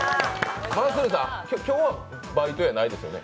今日はバイトやないですよね？